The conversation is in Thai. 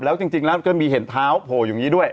แล้วจริงแล้วก็มีเห็นเท้าโผล่อยู่อย่างนี้ด้วย